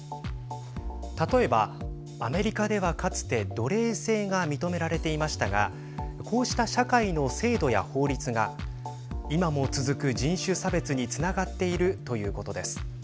例えば、アメリカではかつて奴隷制が認められていましたがこうした社会の制度や法律が今も続く人種差別につながっているということです。